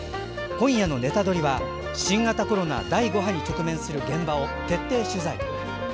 今夜の「ネタドリ！」は新型コロナ第５波に直面する現場を徹底取材。